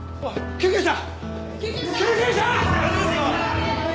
救急車！